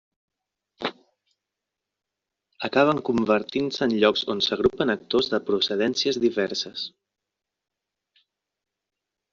Acaben convertint-se en llocs on s'agrupen actors de procedències diverses.